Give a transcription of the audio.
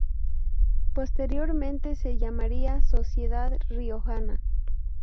Posteriormente se llamaría "Sociedad Riojana".